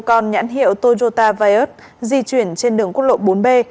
còn nhãn hiệu toyota viot di chuyển trên đường quốc lộ bốn b